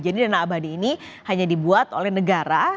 jadi dana abadi ini hanya dibuat oleh negara